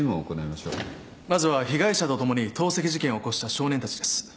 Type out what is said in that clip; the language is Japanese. まずは被害者と共に投石事件を起こした少年たちです。